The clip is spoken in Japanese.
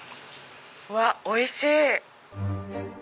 うわおいしい！